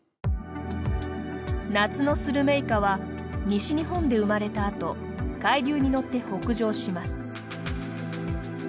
夏のスルメイカは西日本で生まれたあと海流に乗って北上します。